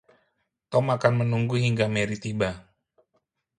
Tom akan menunggu hingga Mary tiba.